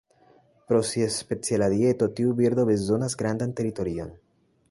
Pro sia speciala dieto, tiu birdo bezonas grandan teritorion.